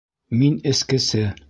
Мин эскесе.